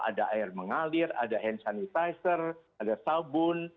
ada air mengalir ada hand sanitizer ada sabun